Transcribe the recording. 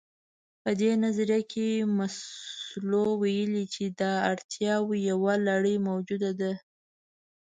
په دې نظريه کې مسلو ويلي چې د اړتياوو يوه لړۍ موجوده ده.